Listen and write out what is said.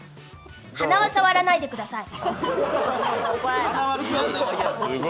鼻は触らないでください！